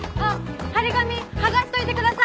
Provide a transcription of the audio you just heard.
張り紙剥がしといてください！